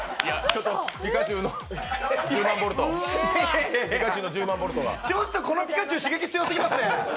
ちょっとこのピカチュウ、刺激強すぎますね。